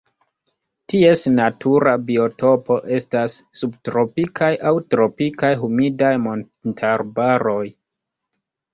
Ties natura biotopo estas subtropikaj aŭ tropikaj humidaj montarbaroj.